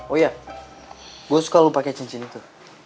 oh iya gue suka lo pake cincin itu